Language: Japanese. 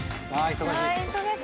忙しい。